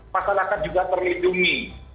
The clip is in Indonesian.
masyarakat juga terlindungi